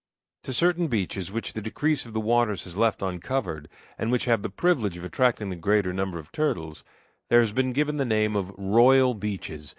To certain beaches which the decrease of the waters has left uncovered, and which have the privilege of attracting the greater number of turtles, there has been given the name of "royal beaches."